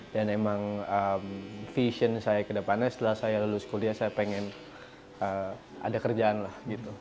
dan emang vision saya ke depannya setelah saya lulus kuliah saya pengen ada kerjaan lah